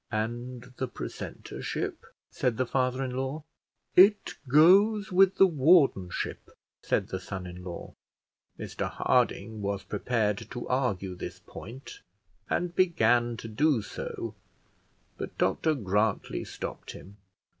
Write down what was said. "And the precentorship," said the father in law. "It goes with the wardenship," said the son in law. Mr Harding was prepared to argue this point, and began to do so, but Dr Grantly stopped him.